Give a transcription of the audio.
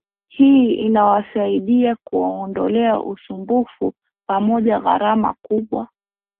Hii inasaidia kuwaondolea usumbufu pamoja gharama kubwa